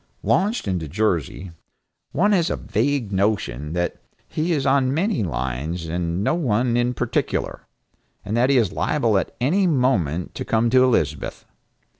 Launched into Jersey, one has a vague notion that he is on many lines and no one in particular, and that he is liable at any moment to come to Elizabeth.